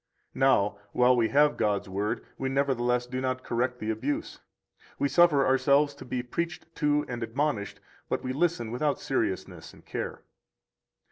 Now, while we have God's Word, we nevertheless do not correct the abuse; we suffer ourselves to be preached to and admonished, but we listen without seriousness and care.